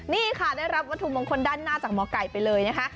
นี่ค่ะได้รับวัตถุมงคลด้านหน้าจากหมอไก่ไปเลยนะคะ